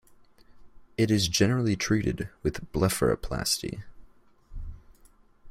It is generally treated with blepharoplasty.